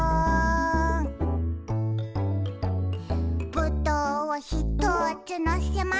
「ぶどうをひとつのせました」